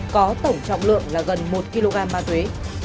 có tổng trọng lượng là gần một kg ma túy